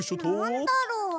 なんだろう？